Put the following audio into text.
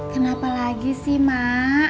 kenapa lagi sih mak om herman ya mak